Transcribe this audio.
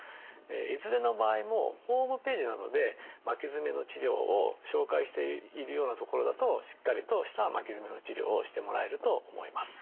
いずれの場合もホームページなどで巻き爪の治療を紹介しているような所だとしっかりとした巻き爪の治療をしてもらえると思います。